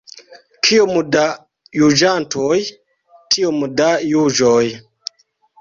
Kiom da juĝantoj, tiom da juĝoj.